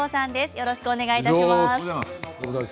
よろしくお願いします。